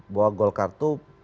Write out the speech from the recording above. bahwa golkar itu